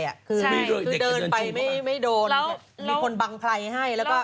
เดินไปไม่โดนมีคนบังพัยให้